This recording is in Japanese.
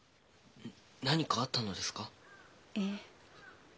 何かあったのですか？